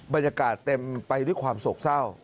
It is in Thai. บรรยากาศเต็มไปด้วยความโศกเศร้า